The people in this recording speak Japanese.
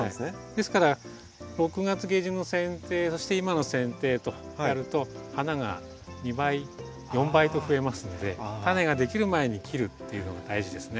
ですから６月下旬のせん定そして今のせん定とやると花が２倍４倍と増えますのでタネができる前に切るっていうのが大事ですね。